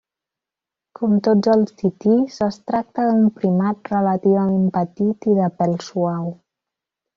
Com tots els titís, es tracta d'un primat relativament petit i de pèl suau.